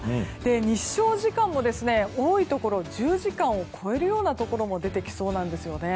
日照時間も多いところ１０時間を超えるようなところも出てきそうなんです。